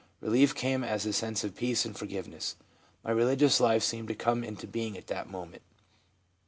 Relief came as a sense of peace and for giveness. My religious life seemed to come into being at that moment.